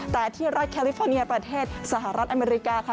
แต่ที่รัฐแคลิฟอร์เนียประเทศสหรัฐอเมริกาค่ะ